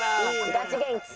ガチ元気。